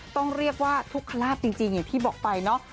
ต้องเรียกว่าทุกขลาบจริงอย่างที่บอกไปเนาะ